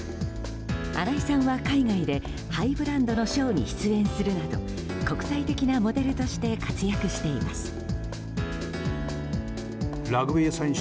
新井さんは海外でハイブランドのショーに出演するなど国際的なモデルとして活躍しています。